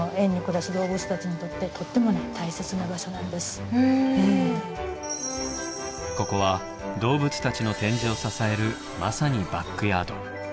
それだけじゃなくてここは動物たちの展示を支えるまさにバックヤード。